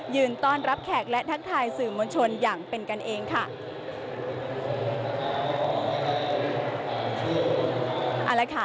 ต้อนรับแขกและทักทายสื่อมวลชนอย่างเป็นกันเองค่ะ